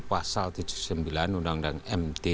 pasal tujuh puluh sembilan undang undang md